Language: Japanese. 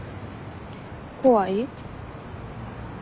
怖い？